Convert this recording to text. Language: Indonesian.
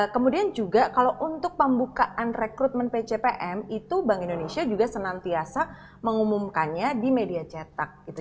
kemudian juga kalau untuk pembukaan rekrutmen pcpm itu bank indonesia juga senantiasa mengumumkannya di media cetak gitu